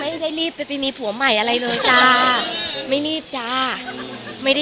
ไม่ได้รีบไปกันมีผัวใหม่อะไรไม่รีบจ้า